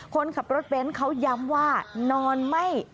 คนขับรถเบนท์เขาย้ำว่านอนไม่